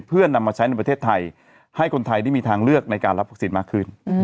เพื่อนำมาใช้ในประเทศไทยให้คนไทยได้มีทางเลือกในการรับวัคซีนมากขึ้น